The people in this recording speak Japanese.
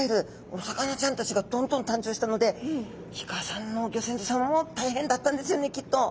お魚ちゃんたちがどんどん誕生したのでイカさんのギョ先祖様も大変だったんですよねきっと。